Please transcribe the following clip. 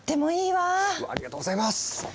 わあありがとうございます！